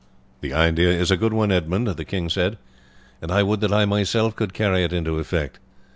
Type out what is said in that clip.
"The idea is a good one, Edmund," the king said, "and I would that I myself could carry it into effect.